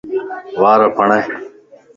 وار ڦڙائي.